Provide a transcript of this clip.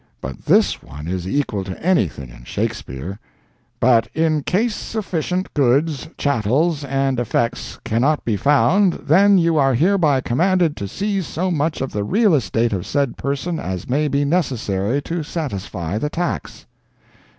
But this one is equal to anything in Shakspeare: "But in case sufficient goods, chattels and effects cannot be found, then you are hereby commanded to seize so much of the real estate of said person as may be necessary to satisfy the tax."